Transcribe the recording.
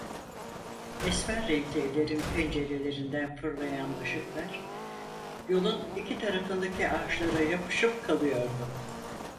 Esmer renkli evlerin pencerelerinden fırlayan ışıklar yolun iki tarafındaki ağaçlara yapışıp kalıyordu.